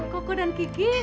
koko dan kiki